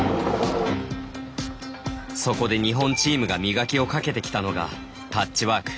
そこで日本チームが磨きをかけてきたのがタッチワーク。